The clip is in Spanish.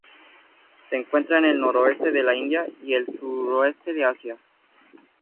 Se encuentra en el noreste de la India y el sureste de Asia.